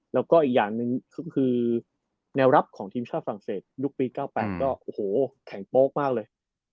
แล้วก็อีกอย่างหนึ่งก็คือแนวรับของทีมชาติฝรั่งเศสยุคปี๙๘ก็โอ้โหแข็งโป๊กมากเลย